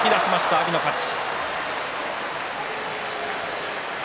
阿炎の勝ち。